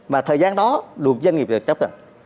mà thời gian đó được doanh nghiệp được chấp nhận